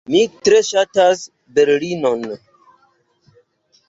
Mi tre ŝatas Berlinon.